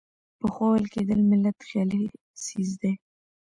پخوا ویل کېدل ملت خیالي څیز دی.